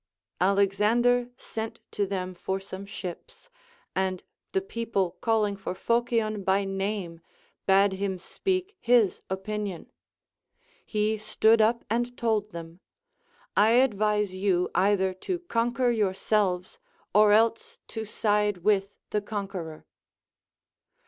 Alexander sent to them for some ships, and the people calling for Phocion by name, bade him speak his opinion. He stood up and told them : I advise you either to conquer your selves, or else to side with the conqueror.